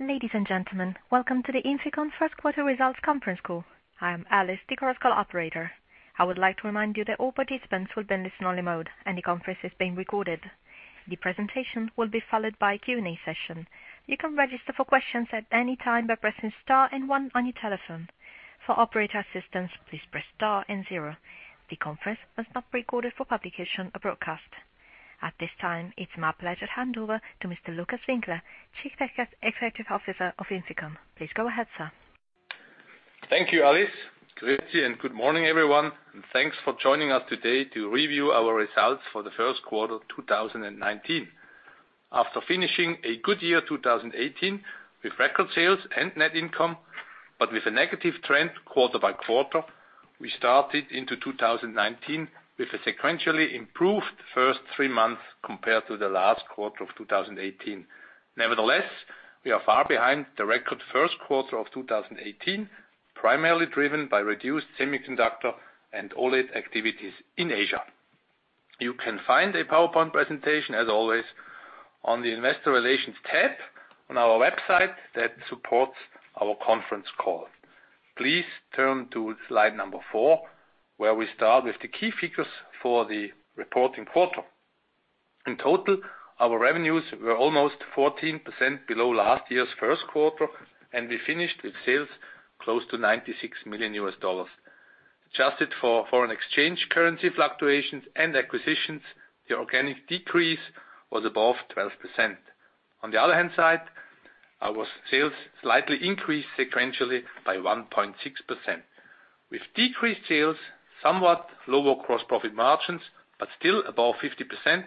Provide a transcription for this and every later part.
Ladies and gentlemen, welcome to the INFICON first quarter results conference call. I am Alice, the conference call operator. I would like to remind you that all participants will be in listen-only mode, and the conference is being recorded. The presentation will be followed by a Q&A session. You can register for questions at any time by pressing star and one on your telephone. For operator assistance, please press star and zero. The conference was not recorded for publication or broadcast. At this time, it is my pleasure to hand over to Mr. Lukas Winkler, Chief Executive Officer of INFICON. Please go ahead, sir. Thank you, Alice. Grüezi and good morning, everyone, and thanks for joining us today to review our results for the first quarter of 2019. After finishing a good year 2018 with record sales and net income, but with a negative trend quarter by quarter, we started into 2019 with a sequentially improved first three months compared to the last quarter of 2018. Nevertheless, we are far behind the record first quarter of 2018, primarily driven by reduced semiconductor and OLED activities in Asia. You can find a PowerPoint presentation, as always, on the investor relations tab on our website that supports our conference call. Please turn to slide number four, where we start with the key figures for the reporting quarter. In total, our revenues were almost 14% below last year's first quarter. We finished with sales close to $96 million. Adjusted for foreign exchange currency fluctuations and acquisitions, the organic decrease was above 12%. On the other hand side, our sales slightly increased sequentially by 1.6%. With decreased sales, somewhat lower gross profit margins, but still above 50%,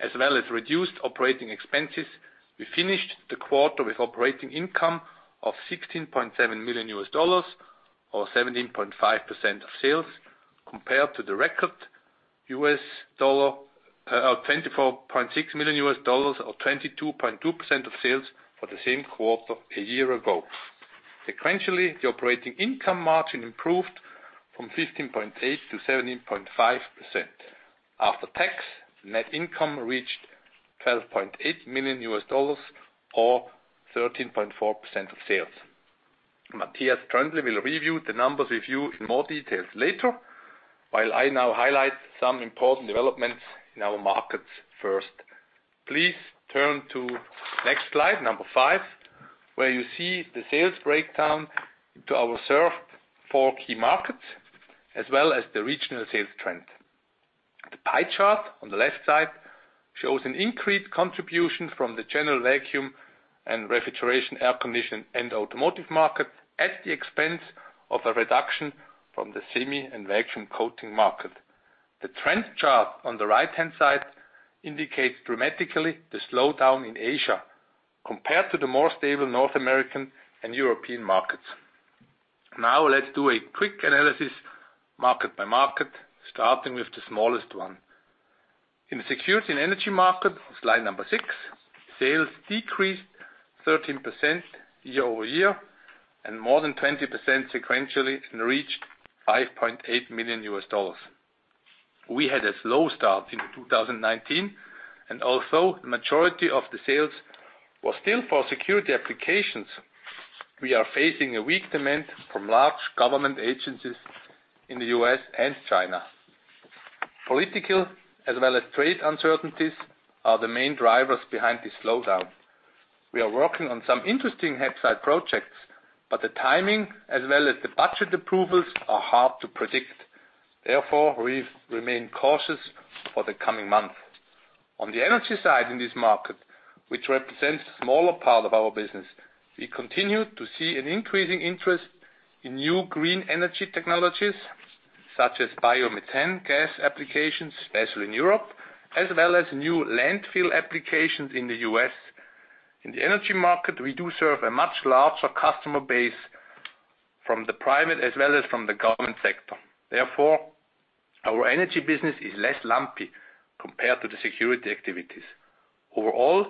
as well as reduced operating expenses, we finished the quarter with operating income of $16.7 million, or 17.5% of sales, compared to the record $24.6 million, or 22.2% of sales for the same quarter a year ago. Sequentially, the operating income margin improved from 15.8% to 17.5%. After tax, net income reached $12.8 million, or 13.4% of sales. Matthias Troendle will review the numbers with you in more details later, while I now highlight some important developments in our markets first. Please turn to next slide, number five, where you see the sales breakdown to our served four key markets, as well as the regional sales trend. The pie chart on the left side shows an increased contribution from the general vacuum and refrigeration, air condition, and automotive market at the expense of a reduction from the semi- and vacuum coating market. The trend chart on the right-hand side indicates dramatically the slowdown in Asia compared to the more stable North American and European markets. Now let us do a quick analysis market by market, starting with the smallest one. In the security and energy market, slide number six, sales decreased 13% year-over-year and more than 20% sequentially and reached $5.8 million. We had a slow start into 2019. Although the majority of the sales was still for security applications, we are facing a weak demand from large government agencies in the U.S. and China. Political as well as trade uncertainties are the main drivers behind the slowdown. We are working on some interesting [Hapsite] projects, but the timing, as well as the budget approvals, are hard to predict. Therefore, we remain cautious for the coming month. On the energy side in this market, which represents a smaller part of our business, we continue to see an increasing interest in new green energy technologies, such as bio-methane gas applications, especially in Europe, as well as new landfill applications in the U.S. In the energy market, we do serve a much larger customer base from the private as well as from the government sector. Therefore, our energy business is less lumpy compared to the security activities. Overall,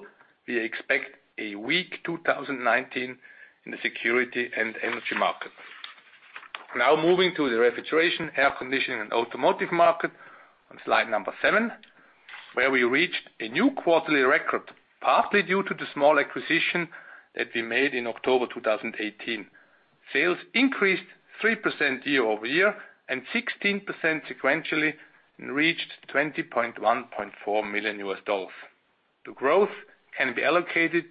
we expect a weak 2019 in the security and energy market. Moving to the refrigeration, air conditioning, and automotive market on slide number seven, where we reached a new quarterly record, partly due to the small acquisition that we made in October 2018. Sales increased 3% year-over-year and 16% sequentially and reached $21.4 million. The growth can be allocated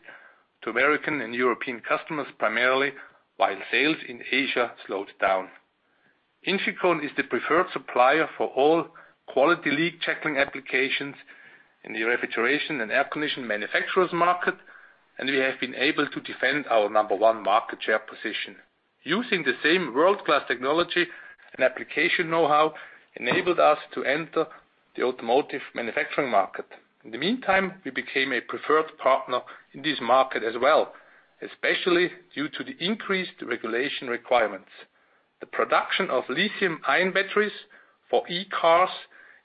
to American and European customers primarily, while sales in Asia slowed down. INFICON is the preferred supplier for all quality leak checking applications in the refrigeration and air condition manufacturers market, and we have been able to defend our number one market share position. Using the same world-class technology and application know-how enabled us to enter the automotive manufacturing market. In the meantime, we became a preferred partner in this market as well, especially due to the increased regulation requirements. The production of lithium-ion batteries for e-cars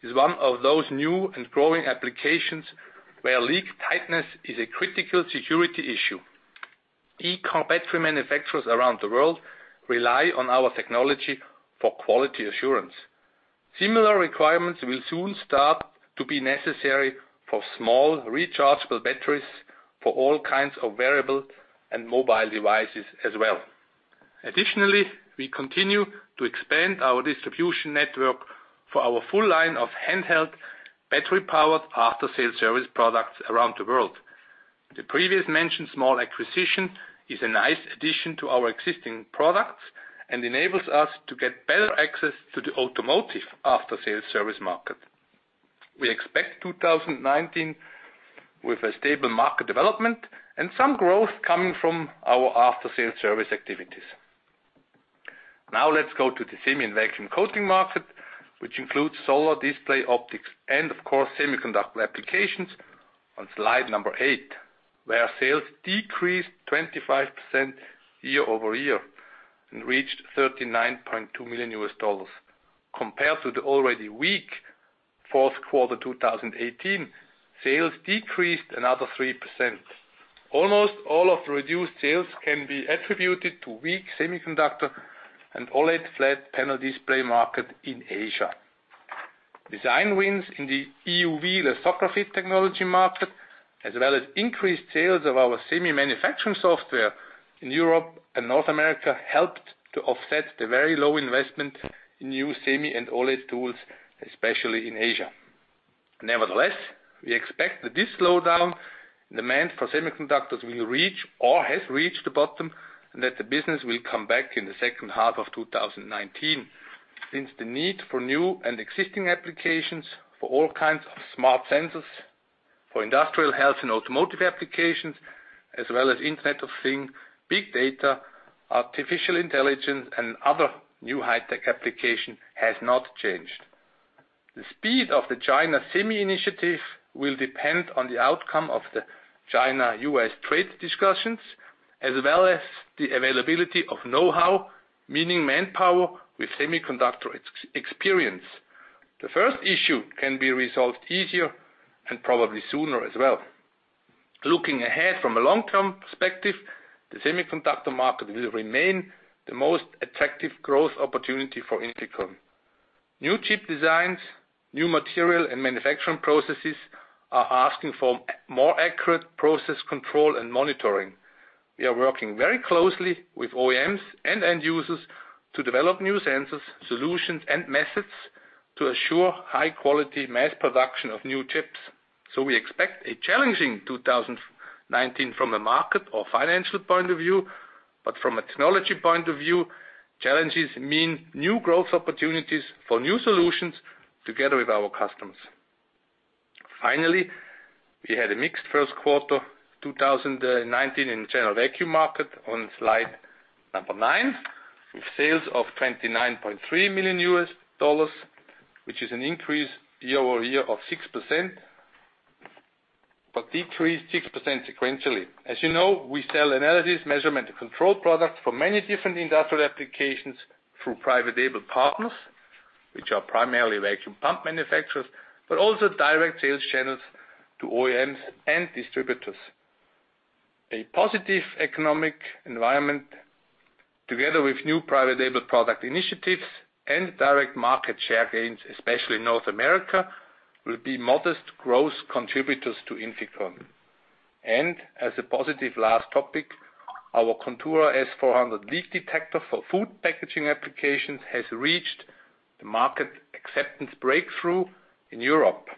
is one of those new and growing applications where leak tightness is a critical security issue. E-car battery manufacturers around the world rely on our technology for quality assurance. Similar requirements will soon start to be necessary for small rechargeable batteries for all kinds of wearable and mobile devices as well. Additionally, we continue to expand our distribution network for our full line of handheld battery-powered after-sales service products around the world. The previous mentioned small acquisition is a nice addition to our existing products and enables us to get better access to the automotive after-sales service market. We expect 2019 with a stable market development and some growth coming from our after-sales service activities. Let's go to the semi and vacuum coating market, which includes solar display optics and, of course, semiconductor applications on slide number eight, where sales decreased 25% year-over-year and reached $39.2 million. Compared to the already weak fourth quarter 2018, sales decreased another 3%. Almost all of reduced sales can be attributed to weak semiconductor and OLED flat panel display market in Asia. Design wins in the EUV lithography technology market, as well as increased sales of our semi manufacturing software in Europe and North America helped to offset the very low investment in new semi and OLED tools, especially in Asia. Nevertheless, we expect that this slowdown in demand for semiconductors will reach or has reached the bottom, and that the business will come back in the second half of 2019, since the need for new and existing applications for all kinds of smart sensors, for industrial health and automotive applications, as well as Internet of Things, big data, artificial intelligence, and other new high-tech application has not changed. The speed of the China Semi Initiative will depend on the outcome of the China-U.S. trade discussions, as well as the availability of know-how, meaning manpower with semiconductor experience. The first issue can be resolved easier and probably sooner as well. Looking ahead from a long-term perspective, the semiconductor market will remain the most attractive growth opportunity for INFICON. New chip designs, new material and manufacturing processes are asking for more accurate process control and monitoring. We are working very closely with OEMs and end users to develop new sensors, solutions, and methods to assure high-quality mass production of new chips. We expect a challenging 2019 from a market or financial point of view. From a technology point of view, challenges mean new growth opportunities for new solutions together with our customers. Finally, we had a mixed first quarter 2019 in the general vacuum market on slide number nine, with sales of $29.3 million, which is an increase year-over-year of 6%, but decreased 6% sequentially. As you know, we sell analysis, measurement, and control products for many different industrial applications through private label partners, which are primarily vacuum pump manufacturers, but also direct sales channels to OEMs and distributors. A positive economic environment together with new private label product initiatives and direct market share gains, especially in North America, will be modest growth contributors to INFICON. As a positive last topic, our Contura S400 leak detector for food packaging applications has reached the market acceptance breakthrough in Europe,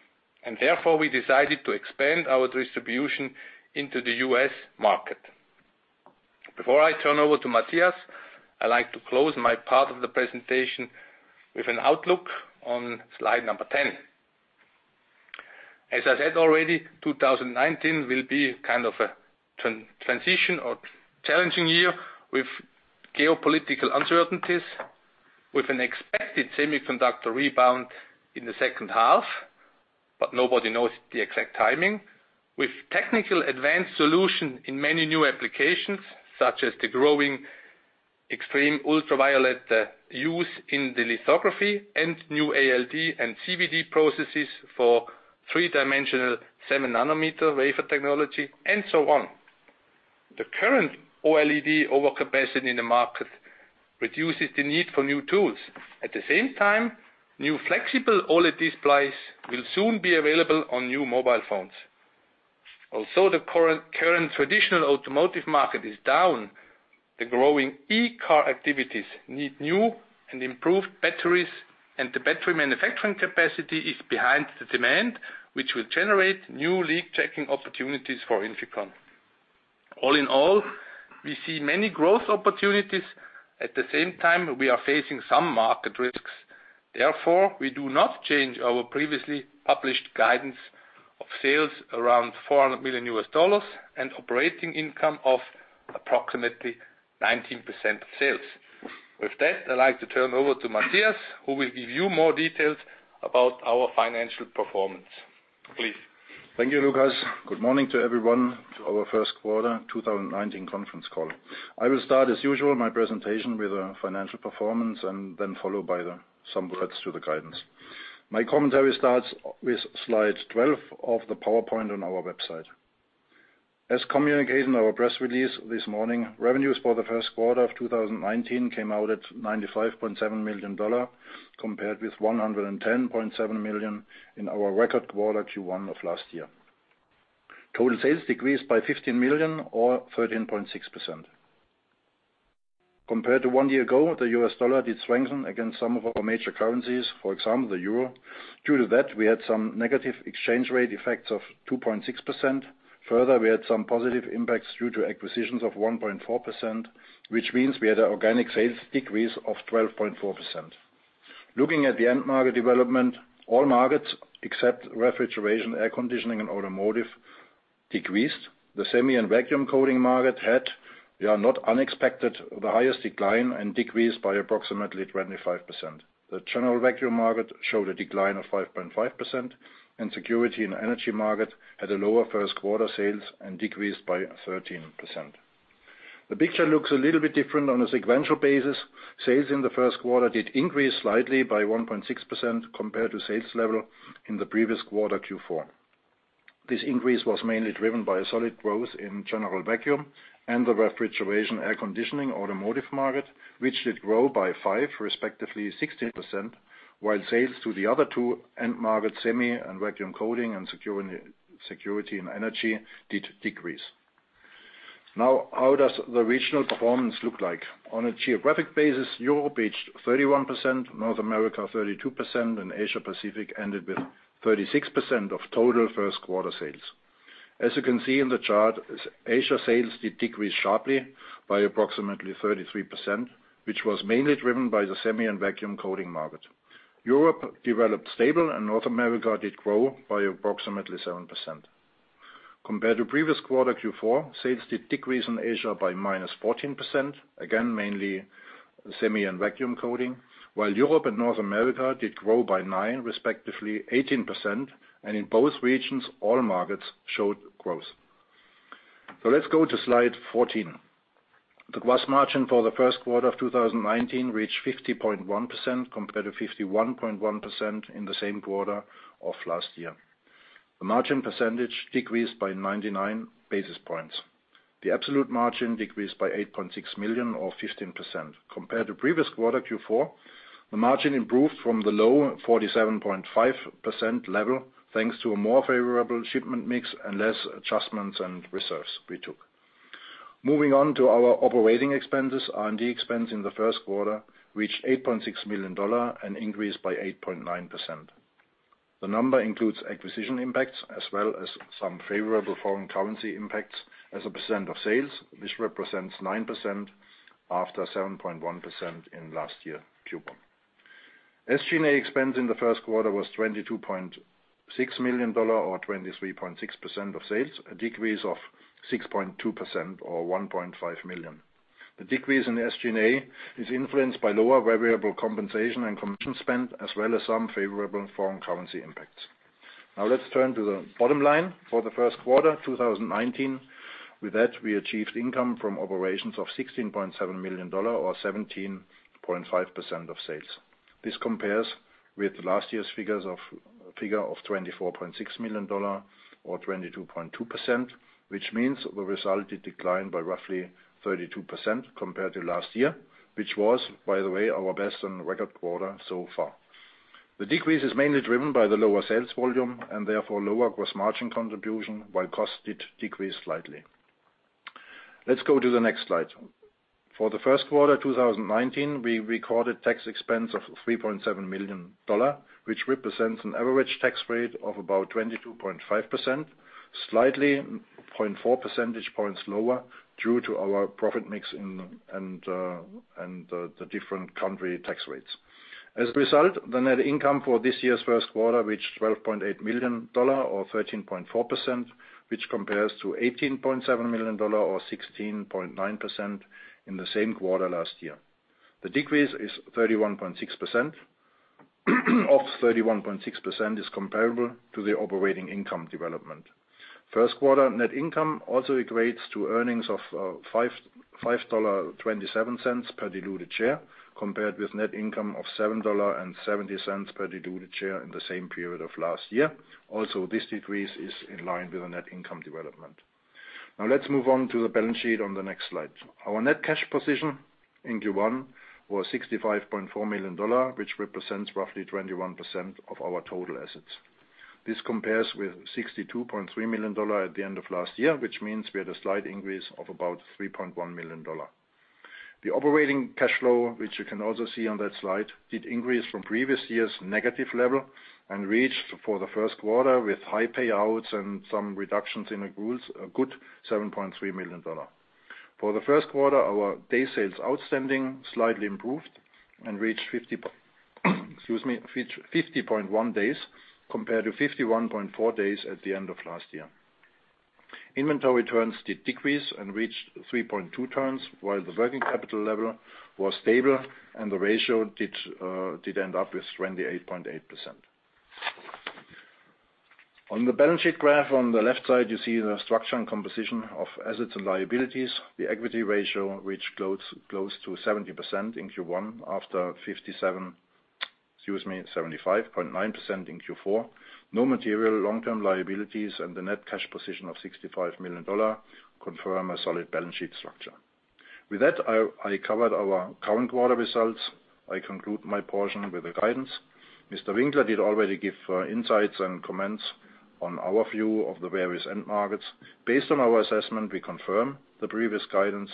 and therefore, we decided to expand our distribution into the U.S. market. Before I turn over to Matthias, I like to close my part of the presentation with an outlook on slide number 10. As I said already, 2019 will be kind of a transition or challenging year with geopolitical uncertainties, with an expected semiconductor rebound in the second half, but nobody knows the exact timing. With technical advanced solution in many new applications, such as the growing extreme ultraviolet use in the lithography and new ALD and CVD processes for three-dimensional seven nanometer wafer technology, and so on. The current OLED overcapacity in the market reduces the need for new tools. At the same time, new flexible OLED displays will soon be available on new mobile phones. The current traditional automotive market is down. The growing e-car activities need new and improved batteries, and the battery manufacturing capacity is behind the demand, which will generate new leak-checking opportunities for INFICON. All in all, we see many growth opportunities. At the same time, we are facing some market risks. We do not change our previously published guidance of sales around $400 million and operating income of approximately 19% of sales. With that, I'd like to turn over to Matthias, who will give you more details about our financial performance. Please. Thank you, Lukas. Good morning to everyone to our first quarter 2019 conference call. I will start, as usual, my presentation with a financial performance and then follow by some words to the guidance. My commentary starts with slide 12 of the PowerPoint on our website. As communicated in our press release this morning, revenues for the first quarter of 2019 came out at $95.7 million, compared with $110.7 million in our record quarter Q1 of last year. Total sales decreased by $15 million or 13.6%. Compared to one year ago, the U.S. dollar did strengthen against some of our major currencies, for example, the euro. Due to that, we had some negative exchange rate effects of 2.6%. Further, we had some positive impacts due to acquisitions of 1.4%, which means we had an organic sales decrease of 12.4%. Looking at the end market development, all markets except refrigeration, air conditioning, and automotive decreased. The semi and vacuum coating market had, not unexpected, the highest decline and decreased by approximately 25%. The general vacuum market showed a decline of 5.5%, and security and energy market had a lower first quarter sales and decreased by 13%. The picture looks a little bit different on a sequential basis. Sales in the first quarter did increase slightly by 1.6% compared to sales level in the previous quarter, Q4. This increase was mainly driven by a solid growth in general vacuum and the refrigeration, air conditioning, automotive market, which did grow by 5%, respectively 16%, while sales to the other two end markets, semi and vacuum coating and security and energy, did decrease. How does the regional performance look like? On a geographic basis, Europe reached 31%, North America 32%, and Asia Pacific ended with 36% of total first quarter sales. As you can see in the chart, Asia sales did decrease sharply by approximately 33%, which was mainly driven by the semi and vacuum coating market. Europe developed stable and North America did grow by approximately 7%. Compared to previous quarter, Q4, sales did decrease in Asia by -14%, again, mainly semi and vacuum coating, while Europe and North America did grow by 9%, respectively 18%, and in both regions, all markets showed growth. Let's go to slide 14. The gross margin for the first quarter of 2019 reached 50.1% compared to 51.1% in the same quarter of last year. The margin percentage decreased by 99 basis points. The absolute margin decreased by $8.6 million or 15%. Compared to previous quarter, Q4, the margin improved from the low 47.5% level, thanks to a more favorable shipment mix and less adjustments and reserves we took. Moving on to our operating expenses. R&D expense in the first quarter reached $8.6 million and increased by 8.9%. The number includes acquisition impacts as well as some favorable foreign currency impacts as a percent of sales, which represents 9% after 7.1% in last year, Q1. SG&A expense in the first quarter was $22.6 million or 23.6% of sales, a decrease of 6.2% or $1.5 million. The decrease in the SG&A is influenced by lower variable compensation and commission spend, as well as some favorable foreign currency impacts. Let's turn to the bottom line for the first quarter 2019. With that, we achieved income from operations of $16.7 million or 17.5% of sales. This compares with last year's figure of $24.6 million or 22.2%, which means the result did decline by roughly 32% compared to last year, which was, by the way, our best and record quarter so far. The decrease is mainly driven by the lower sales volume and therefore lower gross margin contribution, while cost did decrease slightly. Let's go to the next slide. For the first quarter 2019, we recorded tax expense of $3.7 million, which represents an average tax rate of about 22.5%, slightly 0.4 percentage points lower due to our profit mix and the different country tax rates. As a result, the net income for this year's first quarter reached $12.8 million or 13.4%, which compares to $18.7 million or 16.9% in the same quarter last year. The decrease of 31.6% is comparable to the operating income development. This decrease is in line with the net income development. Now let's move on to the balance sheet on the next slide. Our net cash position in Q1 was $65.4 million, which represents roughly 21% of our total assets. This compares with $62.3 million at the end of last year, which means we had a slight increase of about $3.1 million. The operating cash flow, which you can also see on that slide, did increase from previous year's negative level and reached for the first quarter with high payouts and some reductions in accounts, a good $7.3 million. For the first quarter, our day sales outstanding slightly improved and reached 50.1 days compared to 51.4 days at the end of last year. Inventory turns did decrease and reached 3.2 turns while the working capital level was stable and the ratio did end up with 28.8%. On the balance sheet graph on the left side, you see the structure and composition of assets and liabilities. The equity ratio, which closed close to 70% in Q1 after 57% Excuse me, 75.9% in Q4. No material long-term liabilities and the net cash position of $65 million confirm a solid balance sheet structure. With that, I covered our current quarter results. I conclude my portion with the guidance. Mr. Winkler did already give insights and comments on our view of the various end markets. Based on our assessment, we confirm the previous guidance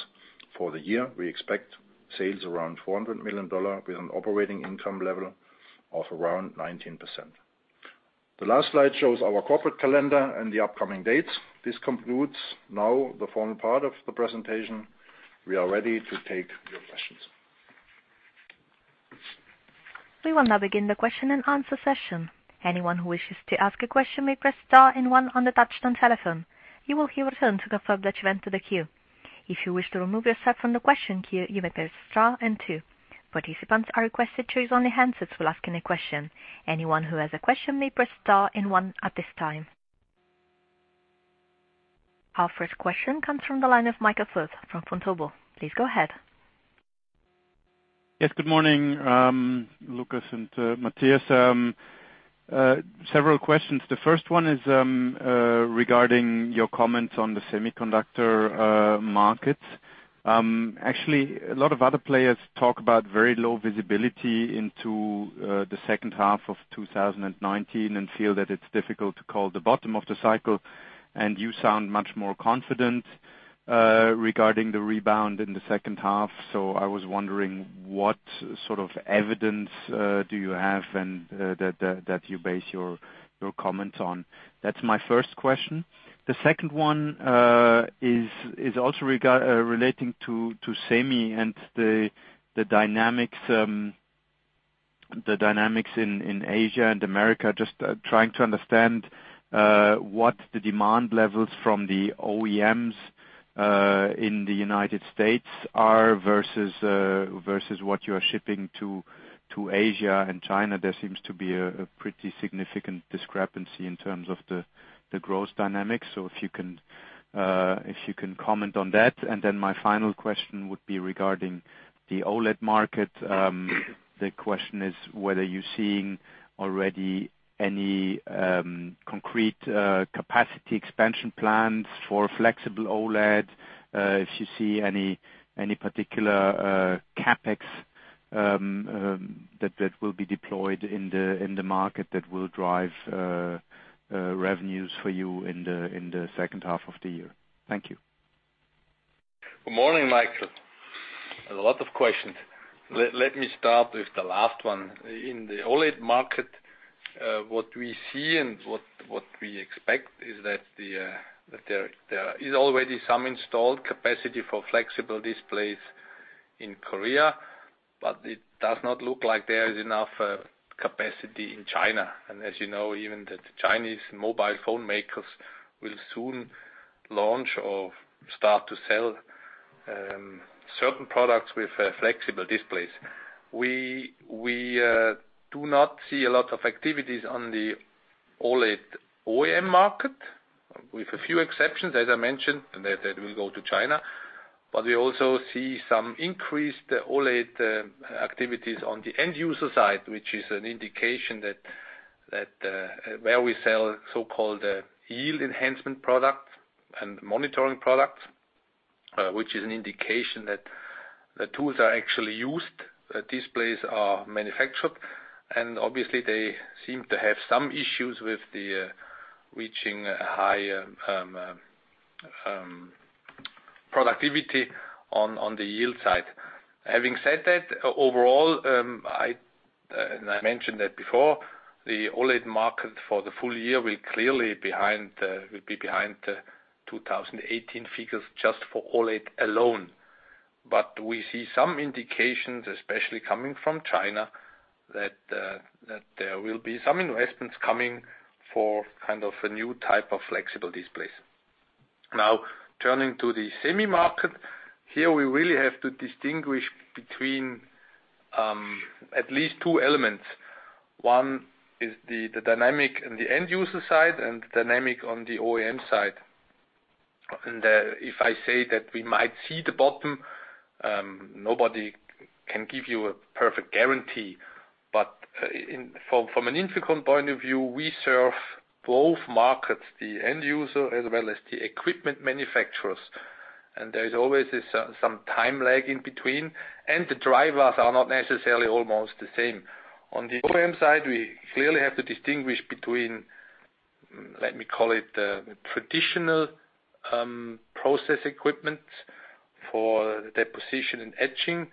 for the year. We expect sales around $400 million with an operating income level of around 19%. The last slide shows our corporate calendar and the upcoming dates. This concludes now the formal part of the presentation. We are ready to take your questions. We will now begin the question and answer session. Anyone who wishes to ask a question may press star and one on the touchtone telephone. You will hear a tone to confirm that you entered the queue. If you wish to remove yourself from the question queue, you may press star and two. Participants are requested to use only handsets when asking a question. Anyone who has a question may press star and one at this time. Our first question comes from the line of Michael Foeth from Vontobel. Please go ahead. Yes, good morning, Lukas and Matthias. Several questions. The first one is regarding your comments on the semiconductor markets. Actually, a lot of other players talk about very low visibility into the second half of 2019 and feel that it's difficult to call the bottom of the cycle, and you sound much more confident regarding the rebound in the second half. I was wondering what sort of evidence do you have that you base your comments on? That's my first question. The second one is also relating to semi and the dynamics in Asia and America. Just trying to understand what the demand levels from the OEMs in the United States are versus what you are shipping to Asia and China. There seems to be a pretty significant discrepancy in terms of the growth dynamics. If you can comment on that. My final question would be regarding the OLED market. The question is whether you're seeing already any concrete capacity expansion plans for flexible OLED. If you see any particular CapEx that will be deployed in the market that will drive revenues for you in the second half of the year. Thank you. Good morning, Michael. A lot of questions. Let me start with the last one. In the OLED market, what we see and what we expect is that there is already some installed capacity for flexible displays in Korea, but it does not look like there is enough capacity in China. As you know, even the Chinese mobile phone makers will soon launch or start to sell certain products with flexible displays. We do not see a lot of activities on the OLED OEM market, with a few exceptions, as I mentioned. That will go to China. We also see some increased OLED activities on the end user side, which is an indication that where we sell so-called yield enhancement product and monitoring product, which is an indication that the tools are actually used, displays are manufactured, and obviously they seem to have some issues with the reaching higher productivity on the yield side. Having said that, overall, and I mentioned that before, the OLED market for the full year will be behind the 2018 figures just for OLED alone. We see some indications, especially coming from China, that there will be some investments coming for kind of a new type of flexible displays. Turning to the semi market. Here we really have to distinguish between at least two elements. One is the dynamic in the end user side and the dynamic on the OEM side. If I say that we might see the bottom, nobody can give you a perfect guarantee. From an INFICON point of view, we serve both markets, the end user as well as the equipment manufacturers. There is always some time lag in between, and the drivers are not necessarily almost the same. On the OEM side, we clearly have to distinguish between, let me call it the traditional process equipment for deposition and etching.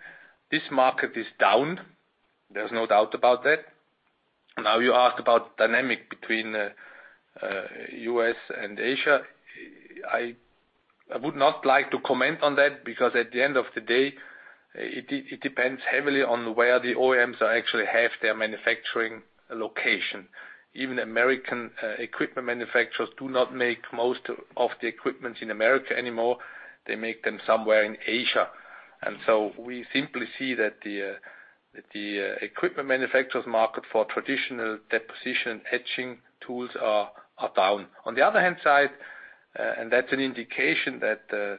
This market is down. There's no doubt about that. You asked about dynamic between U.S. and Asia. I would not like to comment on that because at the end of the day, it depends heavily on where the OEMs actually have their manufacturing location. Even American equipment manufacturers do not make most of the equipment in America anymore. They make them somewhere in Asia. We simply see that the equipment manufacturers market for traditional deposition etching tools are down. On the other hand, that's an indication that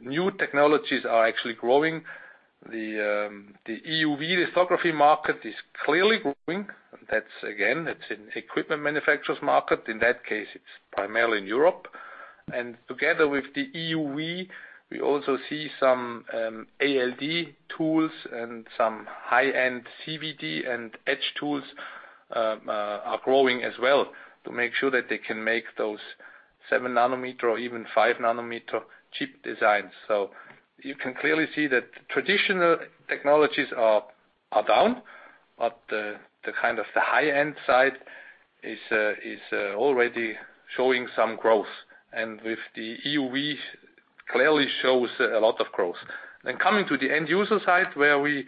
new technologies are actually growing. The EUV lithography market is clearly growing. That's, again, that's an equipment manufacturer's market. In that case, it's primarily in Europe. Together with the EUV, we also see some ALD tools and some high-end CVD and etch tools are growing as well to make sure that they can make those seven nanometer or even five nanometer chip designs. You can clearly see that traditional technologies are down, but the high-end side is already showing some growth. With the EUV, clearly shows a lot of growth. Coming to the end user side, where we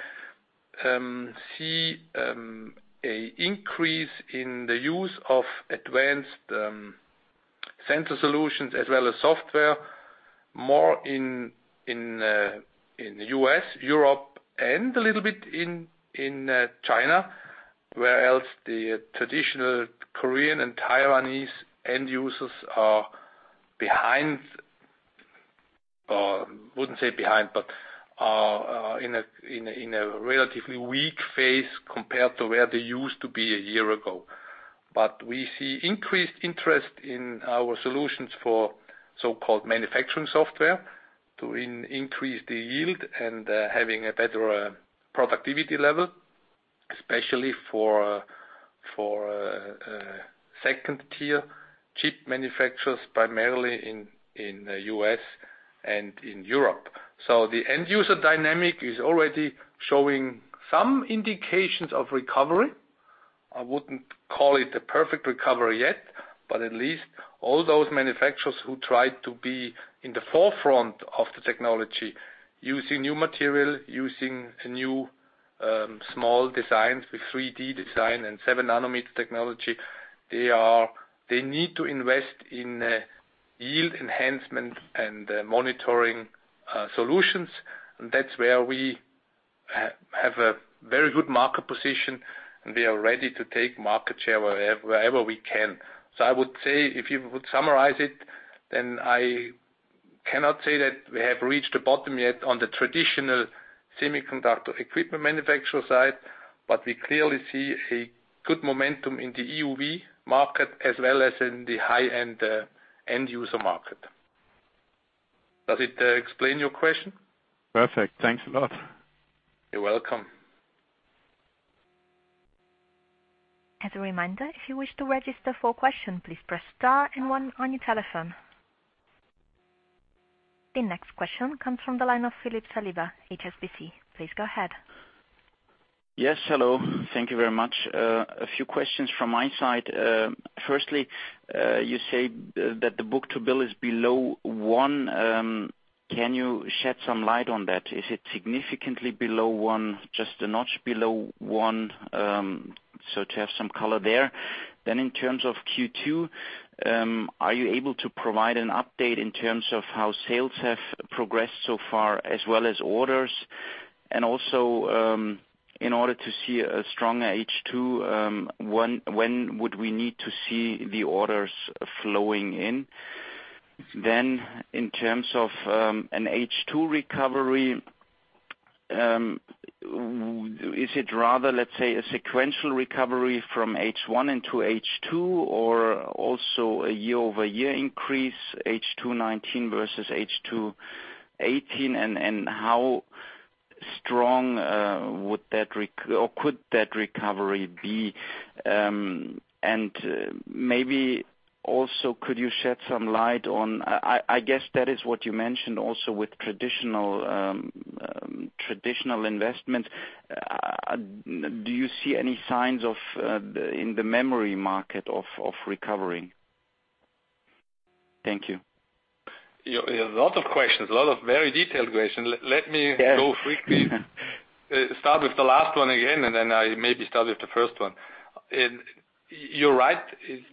see an increase in the use of advanced sensor solutions as well as software, more in the U.S., Europe, and a little bit in China, where else the traditional Korean and Taiwanese end users are behind, or wouldn't say behind, but are in a relatively weak phase compared to where they used to be a year ago. We see increased interest in our solutions for so-called manufacturing software to increase the yield and having a better productivity level, especially for 2nd-tier chip manufacturers, primarily in the U.S. and in Europe. The end user dynamic is already showing some indications of recovery. I wouldn't call it a perfect recovery yet, but at least all those manufacturers who try to be in the forefront of the technology, using new material, using new, small designs with 3D design and seven nanometer technology, they need to invest in yield enhancement and monitoring solutions. That's where we have a very good market position, and we are ready to take market share wherever we can. I would say, if you would summarize it, then I cannot say that we have reached the bottom yet on the traditional semiconductor equipment manufacturer side, but we clearly see a good momentum in the EUV market as well as in the high-end end user market. Does it explain your question? Perfect. Thanks a lot. You're welcome. As a reminder, if you wish to register for question, please press star and one on your telephone. The next question comes from the line of Philippe Saliba, HSBC. Please go ahead. Yes, hello. Thank you very much. A few questions from my side. Firstly, you say that the book-to-bill is below one. Can you shed some light on that? Is it significantly below one, just a notch below one? To have some color there. In terms of Q2, are you able to provide an update in terms of how sales have progressed so far as well as orders? In order to see a stronger H2, when would we need to see the orders flowing in? In terms of an H2 recovery, is it rather, let's say, a sequential recovery from H1 into H2 or also a year-over-year increase H2 2019 versus H2 2018, and how strong could that recovery be? Maybe also could you shed some light on, I guess that is what you mentioned also with traditional investment. Do you see any signs in the memory market of recovering? Thank you. A lot of questions, a lot of very detailed questions. Let me go quickly. Start with the last one again. I maybe start with the first one. You're right.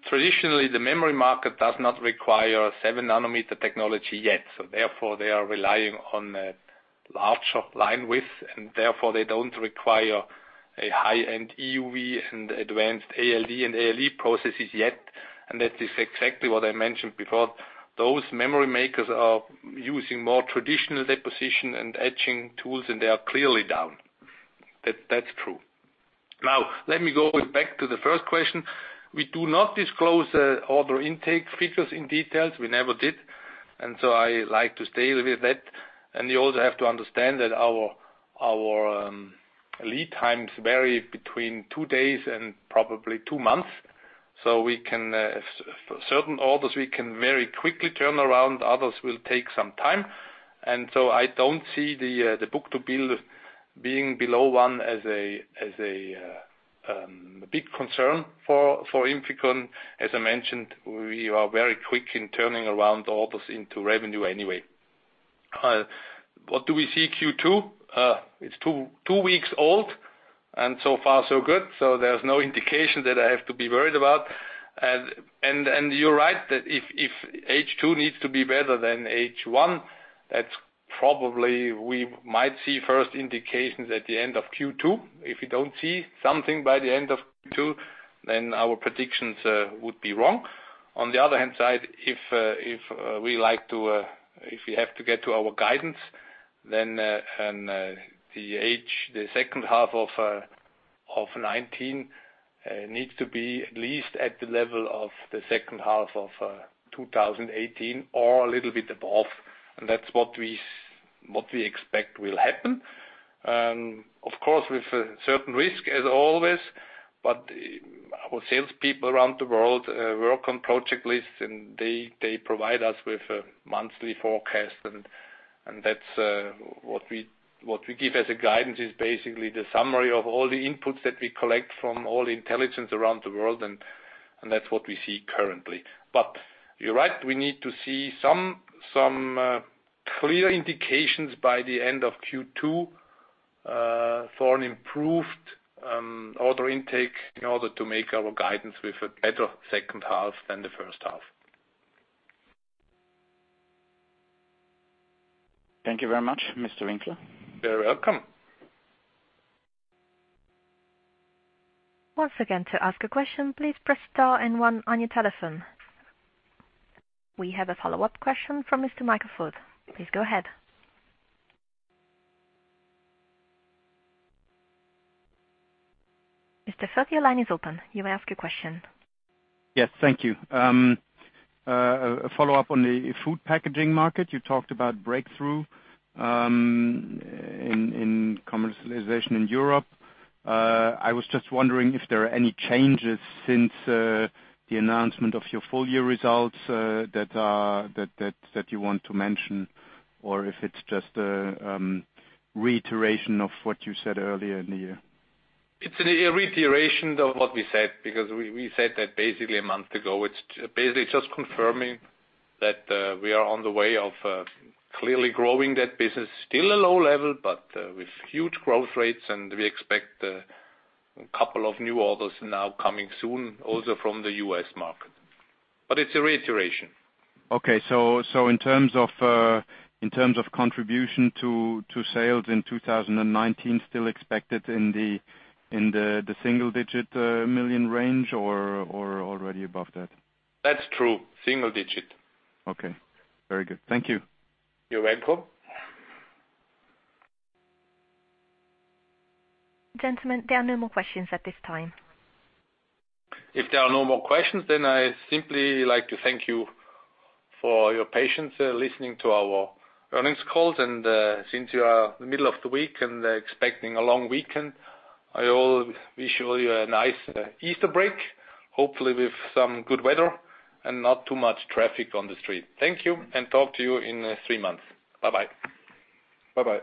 Traditionally, the memory market does not require seven nanometer technology yet. They are relying on larger line width. They don't require a high-end EUV and advanced ALD and ALE processes yet. That is exactly what I mentioned before. Those memory makers are using more traditional deposition and etching tools. They are clearly down. That's true. Let me go back to the first question. We do not disclose order intake figures in details. We never did. I like to stay with that. You also have to understand that our lead times vary between two days and probably two months. Certain orders we can very quickly turn around, others will take some time. I don't see the book-to-bill being below one as a big concern for INFICON. As I mentioned, we are very quick in turning around orders into revenue anyway. What do we see Q2? It's two weeks old. So far so good. There's no indication that I have to be worried about. You're right that if H2 needs to be better than H1. That's probably we might see first indications at the end of Q2. If we don't see something by the end of Q2, our predictions would be wrong. On the other hand side, if we have to get to our guidance, the second half of 2019 needs to be at least at the level of the second half of 2018, or a little bit above. That's what we expect will happen. Of course, with a certain risk as always. Our salespeople around the world work on project lists, and they provide us with a monthly forecast, and what we give as a guidance is basically the summary of all the inputs that we collect from all the intelligence around the world, and that's what we see currently. You're right, we need to see some clear indications by the end of Q2 for an improved order intake in order to make our guidance with a better second half than the first half. Thank you very much, Mr. Winkler. You're welcome. Once again, to ask a question, please press star and one on your telephone. We have a follow-up question from Mr. Michael Foeth. Please go ahead. Mr. Foeth, your line is open. You may ask your question. Yes, thank you. A follow-up on the food packaging market. You talked about breakthrough in commercialization in Europe. I was just wondering if there are any changes since the announcement of your full year results that you want to mention, or if it's just a reiteration of what you said earlier in the year. It's a reiteration of what we said, because we said that basically a month ago. It's basically just confirming that we are on the way of clearly growing that business. Still a low level, but with huge growth rates, and we expect a couple of new orders now coming soon, also from the U.S. market. It's a reiteration. Okay. In terms of contribution to sales in 2019, still expected in the $ single digit million range or already above that? That's true. Single digit. Okay. Very good. Thank you. You're welcome. Gentlemen, there are no more questions at this time. If there are no more questions, I simply like to thank you for your patience, listening to our earnings calls, and, since you are in the middle of the week and expecting a long weekend, I will wish you a nice Easter break, hopefully with some good weather and not too much traffic on the street. Thank you, and talk to you in three months. Bye-bye. Bye-bye.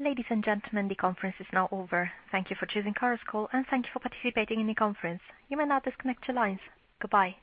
Ladies and gentlemen, the conference is now over. Thank you for choosing Chorus Call, and thank you for participating in the conference. You may now disconnect your lines. Goodbye.